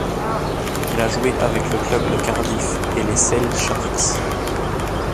Il a joué avec le club de Cardiff et les Sale Sharks.